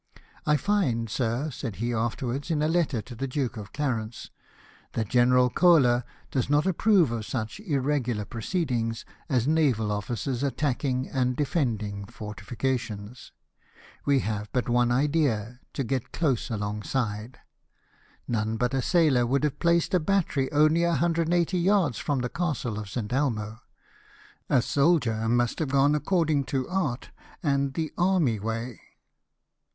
"I find, sir," said he afterwards, in a letter to the Duke of Clarence, 192 LIFE OF NELSON. "that General Koehler does not approve of such irregular proceedings as naval officers attacking and defending fortifications. AYe have but one idea, to get close alongside. None but a sailor would have placed a battery only 180 yards from the Castle of St. Elmo, a soldier must have gone according to art, and the t/ww^. way.